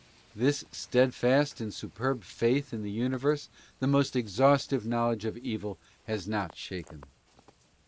This steadfast and superb faith in the universe the most exhaustive knowledge of evil has not shaken.